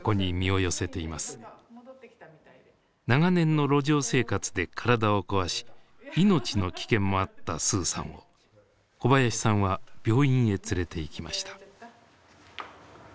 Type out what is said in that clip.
長年の路上生活で体を壊し命の危険もあったスーさんを小林さんは病院へ連れていきました。